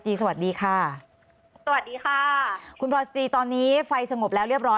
ที่ได้มีการดับเพลิงเป็นชุดสุดท้ายเนี่ย